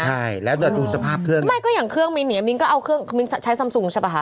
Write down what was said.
ใช่แล้วแต่ดูสภาพเครื่องไม่ก็อย่างเครื่องมิ้นเนี่ยมิ้นก็เอาเครื่องมิ้นใช้ซำซุงใช่ป่ะคะ